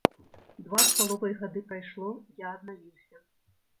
Два з паловай гады прайшло, я аднавіўся.